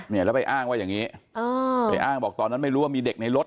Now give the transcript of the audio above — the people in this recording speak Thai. เนี่ยแล้วไปอ้างว่าอย่างนี้ไปอ้างบอกตอนนั้นไม่รู้ว่ามีเด็กในรถ